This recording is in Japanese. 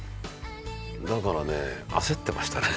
だからね焦ってましたね。